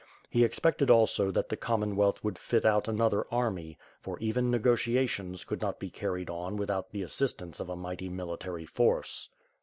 He expected also that the Com monwealth would fit out another army; for even negotiations could not be carried on without the assistance of a mighty military force.